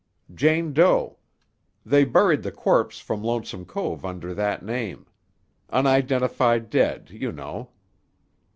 "Jane Doe. They buried the corpse from Lonesome Cove under that name. Unidentified dead, you know."